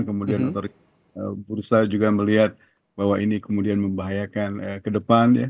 kemudian otoritas bursa juga melihat bahwa ini kemudian membahayakan ke depan